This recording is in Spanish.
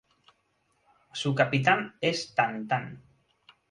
Su capital es Tan-Tan.